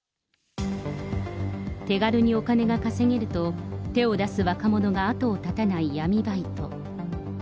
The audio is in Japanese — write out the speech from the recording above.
手軽にお金が稼げると、手を出す若者が後を絶たない闇バイト。